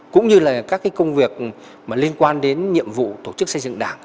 cũng như là các cái công việc mà liên quan đến nhiệm vụ tổ chức xây dựng đảng